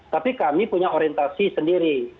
tapi kami punya orientasi sendiri